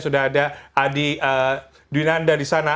sudah ada adi dunanda disana